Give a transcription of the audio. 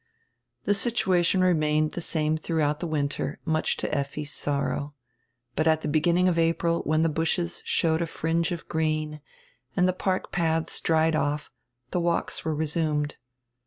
The situation remained die same throughout die winter, much to Effi's sorrow. But at die beginning of April when the bushes showed a fringe of green and die park paths dried off, die walks were resumed.